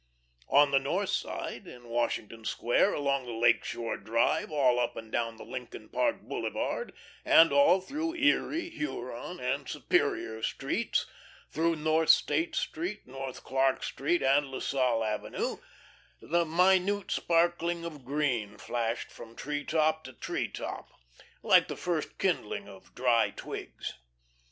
On the North Side, in Washington Square, along the Lake shore Drive, all up and down the Lincoln Park Boulevard, and all through Erie, Huron, and Superior streets, through North State Street, North Clarke Street, and La Salle Avenue, the minute sparkling of green flashed from tree top to tree top, like the first kindling of dry twigs.